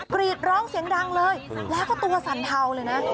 กรีดร้องเสียงดังเลยแล้วก็ตัวสั่นเทาเลยนะ